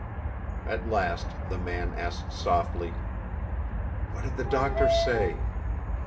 At last the man asked softly, "What did the doctor say?"